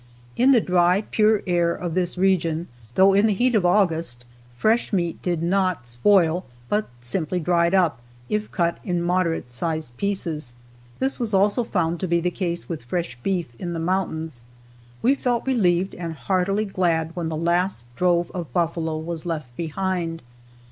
In the dry, pure air of this region, though in the heat of August, fresh meat did not spoil but simply dried up, if cut in moderate sized pieces. This was also found to be the case with fresh beef in the mountains. We felt relieved and heartily glad when the last drove of buffalo was left behind.